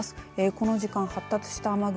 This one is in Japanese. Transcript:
この時間、発達した雨雲